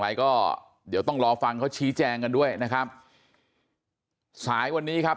อะไรก็เดี๋ยวต้องรอฟังเขาชี้แจงกันด้วยนะครับสายวันนี้ครับ